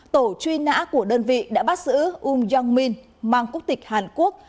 tổ truy nã của đơn vị đã bắt giữ um jong min mang quốc tịch hàn quốc